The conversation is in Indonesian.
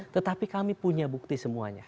tetapi kami punya bukti semuanya